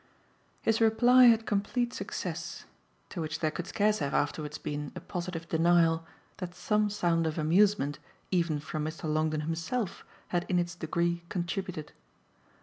IV His reply had complete success, to which there could scarce have afterwards been a positive denial that some sound of amusement even from Mr. Longdon himself had in its degree contributed.